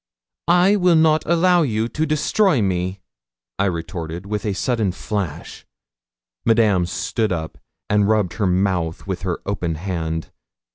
'I will not allow you to destroy me,' I retorted, with a sudden flash. Madame stood up, and rubbed her mouth with her open hand.